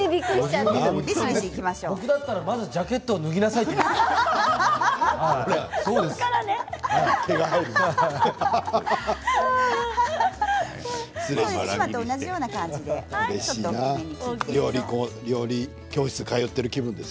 僕だったらまずジャケットを脱ぎなさいってなります。